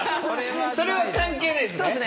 それは関係ないですね？